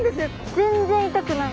全然痛くない。